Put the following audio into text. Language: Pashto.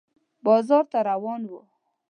بازار ته روان و